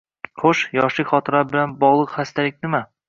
Xo‘sh, yoshlik xotiralari bilan bog‘liq xastaliknima?